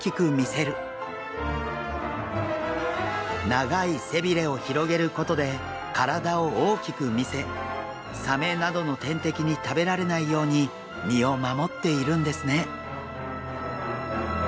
長い背びれを広げることで体を大きく見せサメなどの天敵に食べられないように身を守っているんですね。